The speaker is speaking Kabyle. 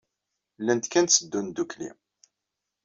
Llant kan tteddun ddukkli.